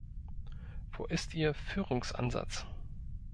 Wo ist Ihr Führungsansatz?